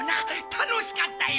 楽しかったよ。